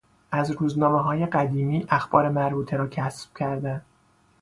از روزنامههای قدیمی اخبار مربوطه را کسب کردن